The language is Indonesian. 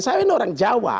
cawe ini orang jawa